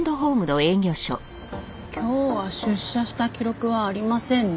今日は出社した記録はありませんね。